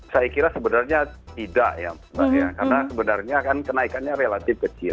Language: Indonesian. saya kira sebenarnya tidak ya karena sebenarnya kenaikannya relatif kecil